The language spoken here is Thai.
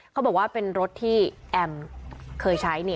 เขาบอกว่าเป็นรถที่แอมเคยใช้